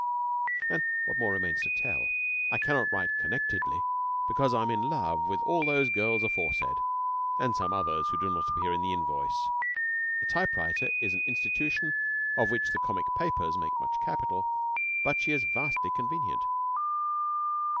And what more remains to tell? I cannot write connectedly, because I am in love with all those girls aforesaid, and some others who do not appear in the invoice. The typewriter is an institution of which the comic papers make much capital, but she is vastly convenient.